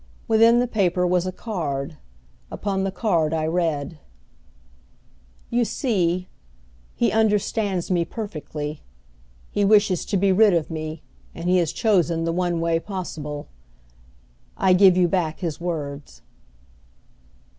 Within the paper was a card. Upon the card I read: "You see, he understands me perfectly. He wishes to be rid of me and he has chosen the one way possible. I give you back his words."